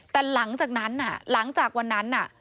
แต่หลังจากวันนั้น